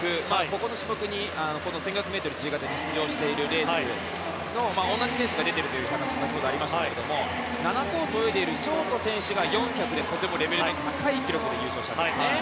この種目にこの１５００ｍ自由形に出場しているレースと同じ選手が出ているという話がありましたが７コースを泳いでいるショート選手が４００でとても高いレベルで優勝したんですね。